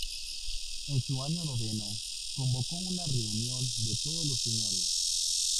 En su año noveno, convocó una reunión de todos los señores.